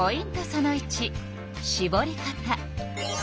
その１しぼり方。